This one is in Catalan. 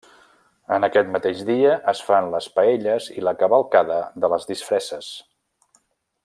En aquest mateix dia es fan les paelles i la cavalcada de les disfresses.